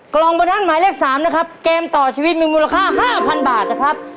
กล่องโบนัสหมายเลข๓นะครับเกมต่อชีวิตมีมูลค่า๕๐๐บาทนะครับ